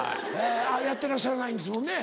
やってらっしゃらないんですもんね？